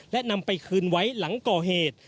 และนำไปคืนไว้หลังก่อเหตุ